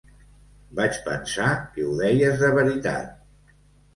Vaig pensar que ho deies de veritat!